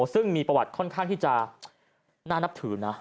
ซึ่งมีประวัติค่อนข้างที่จะน่านับถือนะ